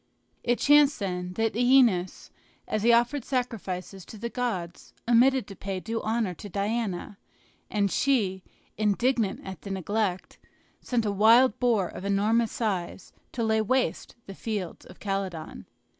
It chanced, then, that OEneus, as he offered sacrifices to the gods, omitted to pay due honors to Diana; and she, indignant at the neglect, sent a wild boar of enormous size to lay waste the fields of Calydon.